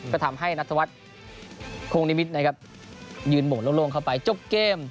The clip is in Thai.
ก็ทำให้นัทวัฒน์โคงนิมิตรนะครับยืนโหมดโล่งเข้าไปจบเกม